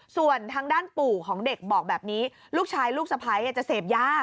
ส่วนทางด้านปู่ของเด็กบอกแบบนี้ลูกชายลูกสะพ้ายจะเสพยา